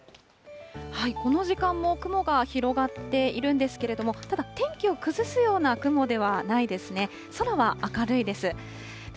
この時間も雲が広がっているんですけれども、ただ、天気を崩すような雲ではないですね。